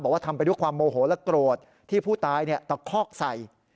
ทำไปด้วยความโมโหและโกรธที่ผู้ตายตะคอกใส่